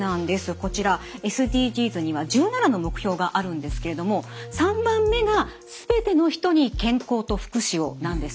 こちらＳＤＧｓには１７の目標があるんですけれども３番目が「すべての人に健康と福祉を」なんです。